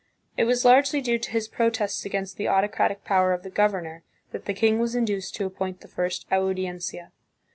It was largely due to his protests against the autocratic power of the governor that the king was induced to appoint the first Audiencia.